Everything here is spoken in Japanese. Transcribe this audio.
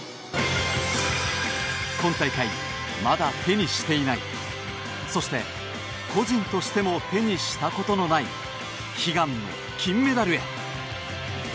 今大会、まだ手にしていないそして、個人としても手にしたことのない悲願の金メダルへ。